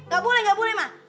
gak boleh nggak boleh mah